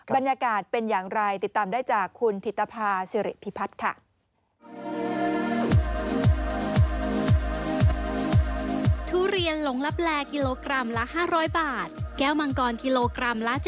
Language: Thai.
บรรยากาศเป็นอย่างไรติดตามได้จากคุณถิตภาษิริพิพัฒน์ค่ะ